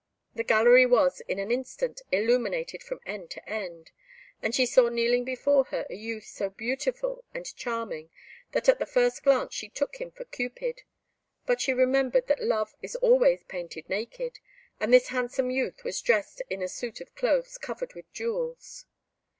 The gallery was in an instant illuminated from end to end, and she saw kneeling before her a youth so beautiful and charming, that at the first glance she took him for Cupid, but she remembered that Love is always painted naked, and this handsome youth was dressed in a suit of clothes covered with jewels.